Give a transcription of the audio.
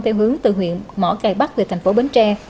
theo hướng từ huyện mỏ cải bắc về thành phố bến tre